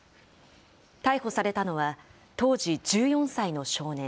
逮捕されたのは、当時１４歳の少年。